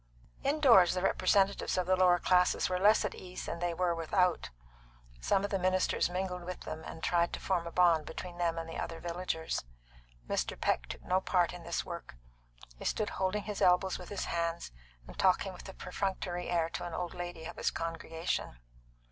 In doors the representatives of the lower classes were less at ease than they were without. Some of the ministers mingled with them, and tried to form a bond between them and the other villagers. Mr. Peck took no part in this work; he stood holding his elbows with his hands, and talking with a perfunctory air to an old lady of his congregation.